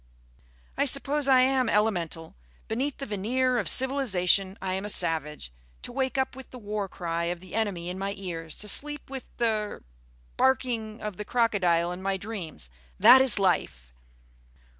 "I suppose I am elemental. Beneath the veneer of civilisation I am a savage. To wake up with the war cry of the enemy in my ears, to sleep with the er barking of the crocodile in my dreams, that is life!"